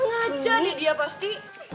sengaja nih dia pasti